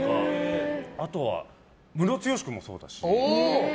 あとはムロツヨシ君もそうだし。